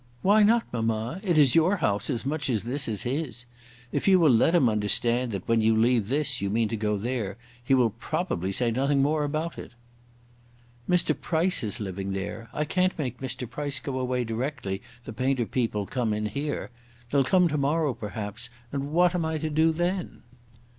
"Why not, mamma? It is your house as much as this is his. If you will let him understand that when you leave this you mean to go there, he will probably say nothing more about it." "Mr. Price is living there. I can't make Mr. Price go away directly the painter people come in here. They'll come to morrow, perhaps, and what am I to do then?"